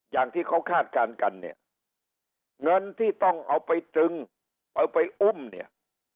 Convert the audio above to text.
อย่างที่เขาคาดการณ์กันเนี่ยเงินที่ต้องเอาไปตรึงเอาไปอุ้มเนี่ย